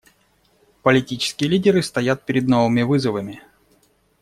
Политические лидеры стоят перед новыми вызовами.